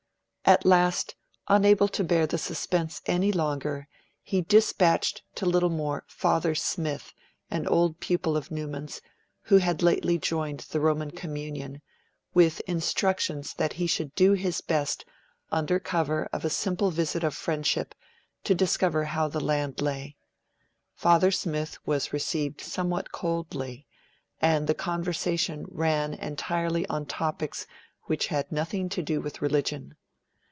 At last, unable to bear the suspense any longer, he dispatched to Littlemore Father Smith, an old pupil of Newman's, who had lately joined the Roman communion, with instructions that he should do his best, under cover of a simple visit of friendship, to discover how the land lay. Father Smith was received somewhat coldly, and the conversation ran entirely on topics which had nothing to do with religion.